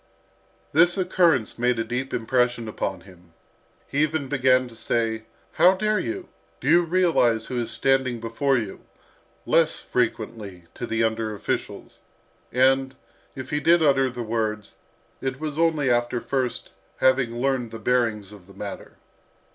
This occurrence made a deep impression upon him. He even began to say, "How dare you? Do you realise who is standing before you?" less frequently to the under officials, and, if he did utter the words, it was only after first having learned the bearings of the matter.